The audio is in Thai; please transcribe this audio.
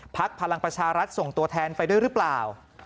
พลังประชารัฐส่งตัวแทนไปด้วยหรือเปล่า